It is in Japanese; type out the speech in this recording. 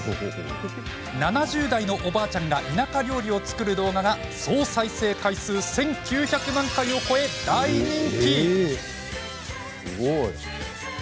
７０代のおばあちゃんが田舎料理を作る動画が総再生回数１９００万回を超え大人気！